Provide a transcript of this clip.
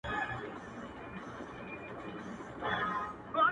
ورځه وريځي نه جــلا ســـولـه نـــن،